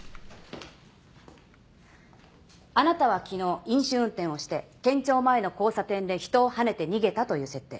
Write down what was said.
あなたは昨日飲酒運転をして県庁前の交差点で人をはねて逃げたという設定。